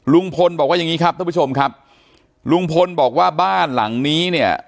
ลุงพลบอกว่าอย่างงี้ครับท่านผู้ชมครับลุงพลบอกว่าบ้านหลังนี้เนี่ย